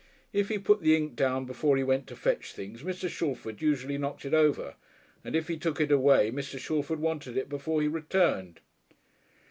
If he put the ink down before he went to fetch things Mr. Shalford usually knocked it over, and if he took it away Mr. Shalford wanted it before he returned.